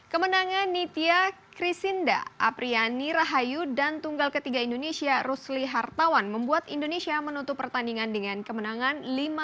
kemenangan nitya krisinda apriani rahayu dan tunggal ketiga indonesia rusli hartawan membuat indonesia menutup pertandingan dengan kemenangan lima